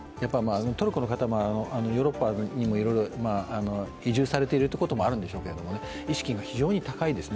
トルコの方もヨーロッパにもいろいろ移住されているということもあるんでしょうけど意識が非常に高いですね。